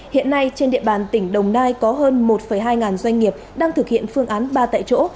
hiện nay trên địa bàn tỉnh đồng nai có hơn một hai doanh nghiệp đang thực hiện phương án ba tại chỗ